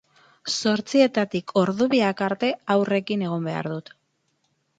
Zortzietatik ordu biak arte haurrekin egon behar du.